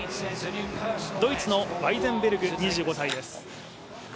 ドイツのワイゼンベルグ２５歳です。